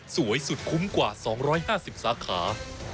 สวยสุดคุ้มกว่า๒๕๐สาขา